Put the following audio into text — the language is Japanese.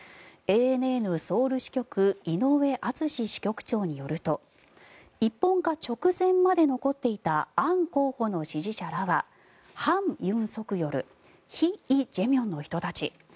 ＡＮＮソウル支局井上敦支局長によると一本化直前まで残っていたアン候補の支持者らは反ユン・ソクヨル非イ・ジェミョンの人たち。